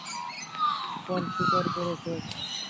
ইরফান স্বীকার করেছে।